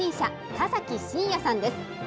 田崎真也さんです。